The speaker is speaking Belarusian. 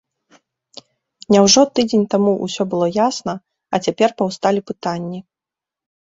Няўжо тыдзень таму ўсё было ясна, а цяпер паўсталі пытанні?